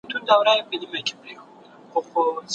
مسلکي کسانو د هېواد اقتصاد پیاوړی کړ.